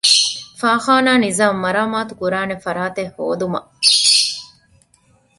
ފާޚާނާ ނިޒާމު މަރާމާތުކުރާނެ ފަރާތެއް ހޯދުމަށް